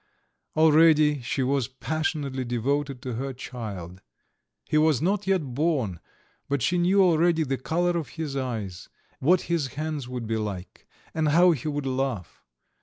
Already she was passionately devoted to her child; he was not yet born, but she knew already the colour of his eyes, what his hands would be like, and how he would laugh.